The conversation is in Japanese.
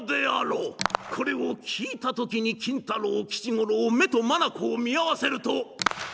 これを聞いた時に金太郎吉五郎目と眼を見合わせると。